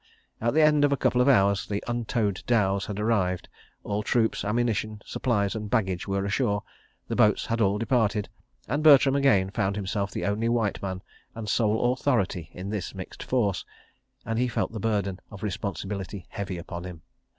At the end of a couple of hours the untowed dhows had arrived, all troops, ammunition, supplies and baggage were ashore, the boats had all departed, and Bertram again found himself the only white man and sole authority in this mixed force, and felt the burden of responsibility heavy upon him.